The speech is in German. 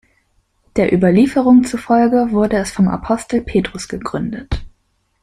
Der Überlieferung zufolge wurde es vom Apostel Petrus gegründet.